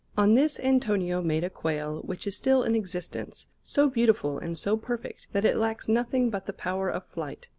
On this Antonio made a quail which is still in existence, so beautiful and so perfect that it lacks nothing but the power of flight.